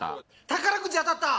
宝くじ当たった！